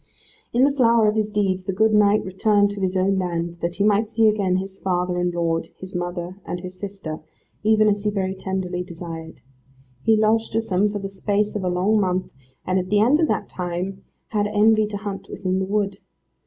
In the flower of his deeds the good knight returned to his own land, that he might see again his father and lord, his mother and his sister, even as he very tenderly desired. He lodged with them for the space of a long month, and at the end of that time had envy to hunt within the wood.